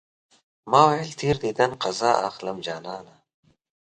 ما ويل تېر ديدن قضا اخلم جانانه